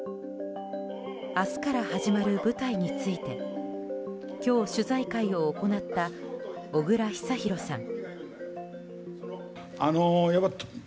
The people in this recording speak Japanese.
明日から始まる舞台について今日、取材会を行った小倉久寛さん。